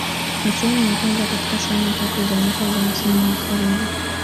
Ni sehemu ya kwanza katika sehemu tatu za mwisho za msimu wa kwanza.